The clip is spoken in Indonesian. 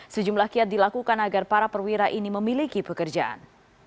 sejumlah kiat dilakukan agar para perwira ini memiliki pekerjaan